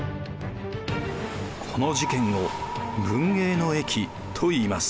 この事件を文永の役といいます。